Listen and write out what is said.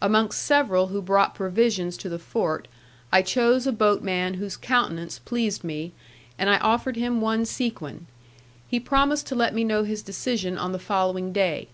Amongst several who brought provisions to the fort, I chose a boatman whose countenance pleased me, and I offered him one sequin; he promised to let me know his decision on the following day.